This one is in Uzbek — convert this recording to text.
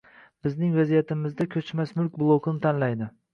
Bizning vaziyatimizda ko‘chmas mulk blokini tanlaydi